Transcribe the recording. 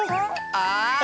ああ！